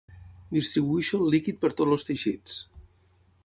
Distribueixo el líquid per tot els teixits.